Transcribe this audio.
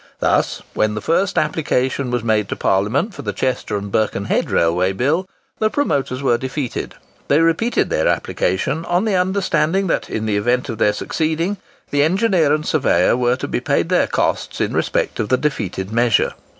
Thus, when the first application was made to Parliament for the Chester and Birkenhead Railway Bill, the promoters were defeated. They repeated their application, on the understanding that in event of their succeeding, the engineer and surveyor were to be paid their costs in respect of the defeated measure.